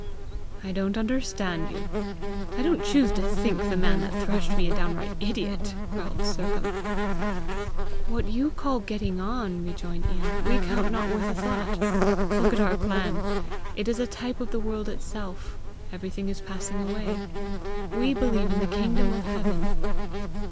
"I don't understand you. I don't choose to think the man that thrashed me a downright idiot!" growled Sercombe. "What you call getting on," rejoined Ian, "we count not worth a thought. Look at our clan! it is a type of the world itself. Everything is passing away. We believe in the kingdom of heaven."